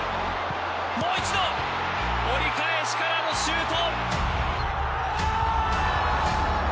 もう一度折り返しからのシュート。